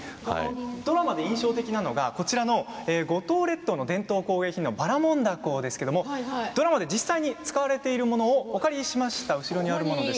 ドラマで印象的なのは五島列島の伝統工芸品ばらもん凧ですがドラマで実際に使われているものをお借りしてきました。